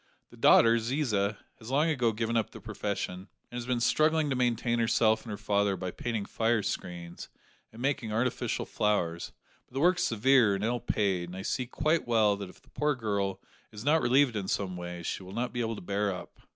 The daughter, Ziza, has long ago given up the profession, and has been struggling to maintain herself and her father by painting fire screens, and making artificial flowers; but the work is severe and ill paid, and I see quite well that if the poor girl is not relieved in some way she will not be able to bear up."